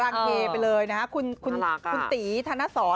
สรางเทไปเลยนะค่ะคุณธีทานละสอน